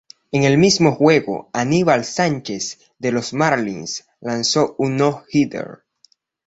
En el mismo juego, Aníbal Sánchez de los Marlins lanzó un "no-hitter".